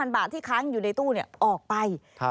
บาทที่ค้างอยู่ในตู้ออกไป